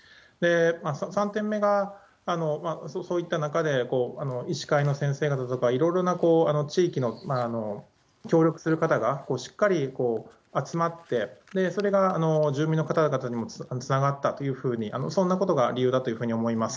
３点目が、そういった中で医師会の先生方とか、いろいろな地域の協力する方がしっかり集まって、それが住民の方々にもつながったというふうに、そんなことが理由だというふうに思います。